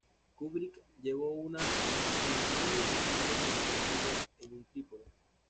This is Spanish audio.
Kubrick llevó una en la mano y Singer sujetó la suya en un trípode.